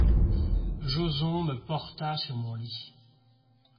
Joson me porta sur mon lit.